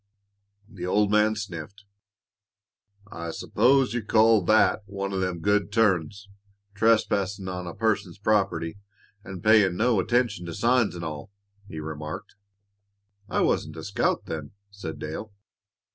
The old man sniffed. "I s'pose you call that one o' them 'good turns' trespassin' on a person's property, an' payin' no attention to signs, an' all," he remarked. "I wasn't a scout then," said Dale.